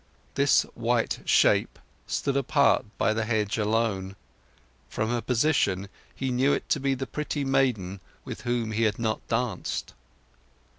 This white shape stood apart by the hedge alone. From her position he knew it to be the pretty maiden with whom he had not danced.